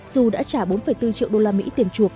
dù đã trả bốn bốn triệu đô la mỹ tiền chuộc